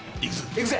行くぜ！